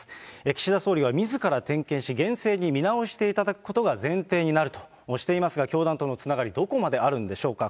岸田総理はみずから点検し、厳正に見直していただくことが前提になるとしていますが、教団とのつながり、どこまであるんでしょうか。